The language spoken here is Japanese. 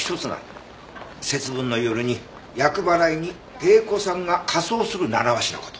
節分の夜に厄払いに芸妓さんが仮装する習わしの事。